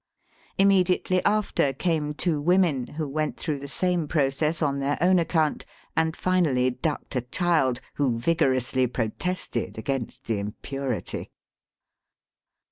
Immediately after came two women, who went through the same pro cess on their own account, and finally ducked a child, who vigorously protested against the impurity.